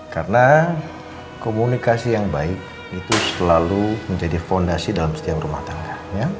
karena komunikasi yang baik itu selalu menjadi fondasi dalam setiang rumah tangga